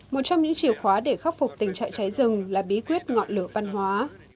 một trong những chìa khóa để khắc phục tình trạng cháy rừng là bí quyết ngọn lửa văn hóa